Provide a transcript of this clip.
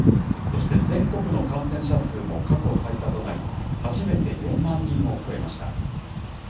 そして全国の感染者数も過去最多となり、初めて４万人を超えました。